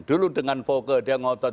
dulu dengan foke dia ngotot